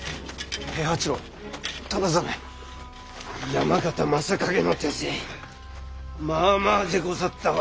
山県昌景の手勢まあまあでござったわ。